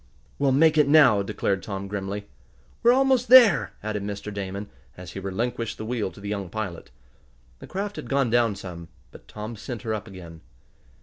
"We'll make it now!" declared Tom grimly. "We're almost there," added Mr. Damon, as he relinquished the wheel to the young pilot. The craft had gone down some, but Tom sent her up again.